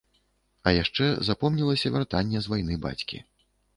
А яшчэ запомнілася вяртанне з вайны бацькі.